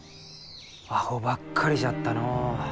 アホばっかりじゃったのう。